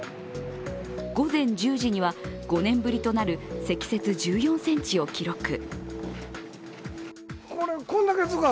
午前１０時には、５年ぶりとなる積雪１４ｃｍを記録。